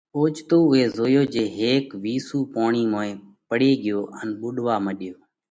اوچتو اُوئہ زويو جي هيڪ وِيسُو پوڻِي موئين پڙي ڳيو ان ٻُوڏوا مڏيو۔